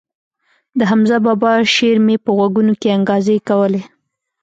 د حمزه بابا شعر مې په غوږو کښې انګازې کولې.